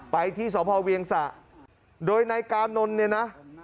ไปที่สมภาวเวียงศาสตร์โดยนายกานนลเนี่ยนะ